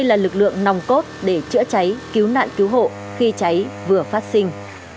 là lực lượng nòng cốt để chữa cháy cứu nạn cứu hộ khi cháy vừa phát sinh